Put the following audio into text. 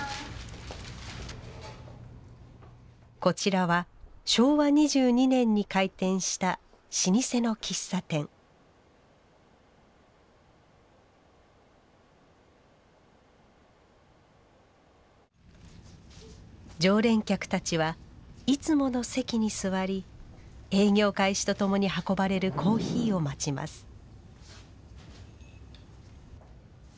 こちらは昭和２２年に開店した老舗の喫茶店常連客たちはいつもの席に座り営業開始とともに運ばれるコーヒーを待ちます